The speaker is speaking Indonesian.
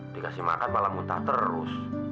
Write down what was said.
dikasih makan malah muntah terus